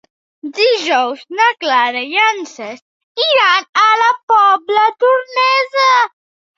Dijous na Clara i en Cesc iran a la Pobla Tornesa.